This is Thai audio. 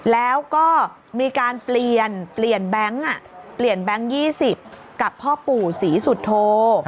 แล้วก็มีการเปลี่ยนแบงค์๒๐กับพ่อปู่ศรีสุธโธ